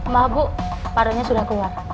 mbak bu paronnya sudah keluar